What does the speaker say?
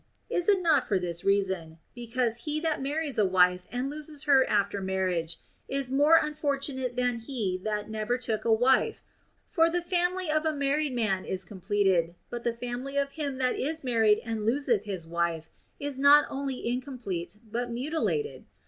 Is it not for this reason, because he that mar ries a wife and loses her after marriage is more unfortunate than he that never took a wife ; for the family of a married man is completed, but the family of him that is married and loseth his wife is not only incomplete but mutilated'?